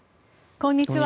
こんにちは。